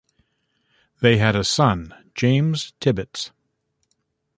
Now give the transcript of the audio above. They had a son, James Tibbets.